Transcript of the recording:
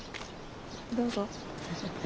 どうぞ。